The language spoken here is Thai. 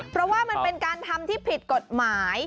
เพราะว่ามันเป็นการทำที่ผิดกฎหมาย